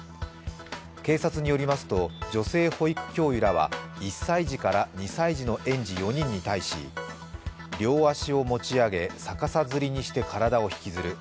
警察によりますと女性保育教諭らは、１歳児から２歳児の園児４人に対し、両足を持ち上げ、逆さづりにして体を引きずる。